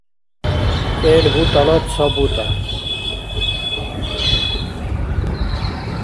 кӀел бутӀала ца бутӀа